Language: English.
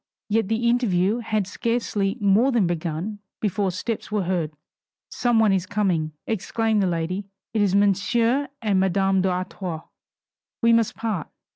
Yet the interview had scarcely more than begun before steps were heard. "Some one is coming," exclaimed the lady, "it is Monsieur and Madame d'Artois We must part.